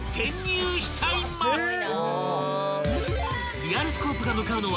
［リアルスコープが向かうのは］